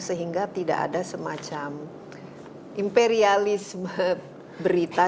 sehingga tidak ada semacam imperialisme berita